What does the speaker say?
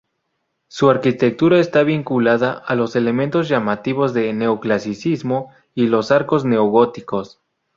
Su arquitectura está vinculada a los elementos llamativos de neoclasicismo y los arcos neogóticos.